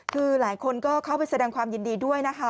คือหลายคนก็เข้าไปแสดงความยินดีด้วยนะคะ